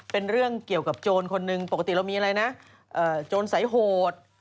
เป็นเรื่องเกี่ยวกับโจรคนหนึ่งปกติเรามีอะไรนะโจรสายโหด